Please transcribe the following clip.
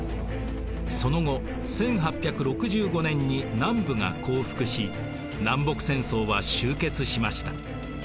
その後１８６５年に南部が降伏し南北戦争は終結しました。